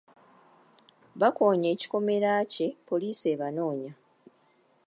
Baakoonye ekikomera kye poliisi ebanoonya.